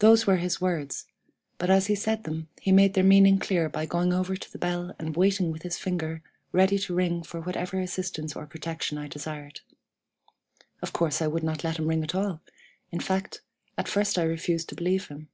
"Those were his words, but as he said them he made their meaning clear by going over to the bell, and waiting with his finger ready to ring for whatever assistance or protection I desired. Of course I would not let him ring at all; in fact, at first I refused to believe him.